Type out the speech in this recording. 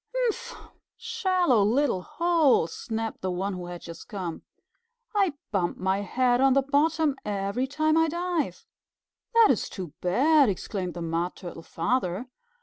"Humph! Shallow little hole!" snapped the one who had just come. "I bump my head on the bottom every time I dive." "That is too bad," exclaimed the Mud Turtle Father.